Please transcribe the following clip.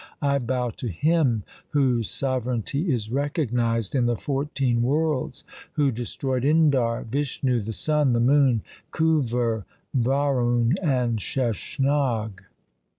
I bow to Him whose sovereignty is recognized in the fourteen worlds, who destroyed Indar, Vishnu, the sun, the moon, 2 Kuver, Varun, and Sheshnag.